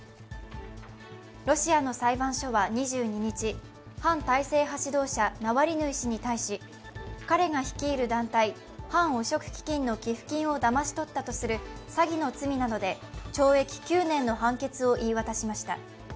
ロシアの裁判所は２２日、反体制派指導者ナワリヌイ氏に対し彼が率いる団体、反汚職基金の寄付金をだまし取ったなどとする詐欺の罪などで懲役９年の判決を言い渡しました。